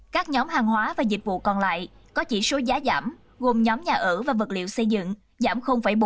các nhóm hàng hóa và dịch vụ còn lại có chỉ số giá giảm gồm nhóm nhà ở và vật liệu xây dựng giảm bốn mươi